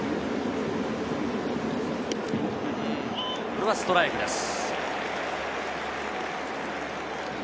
これはストライクです。